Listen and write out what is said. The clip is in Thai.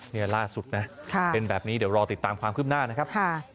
นี่ล่าสุดนะเป็นแบบนี้เดี๋ยวรอติดตามความคืบหน้านะครับ